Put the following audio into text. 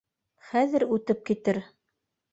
Хәҙер үтеп китер...